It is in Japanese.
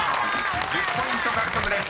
１０ポイント獲得です］